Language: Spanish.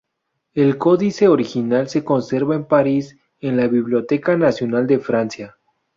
El códice original se conserva en París, en la Biblioteca Nacional de Francia.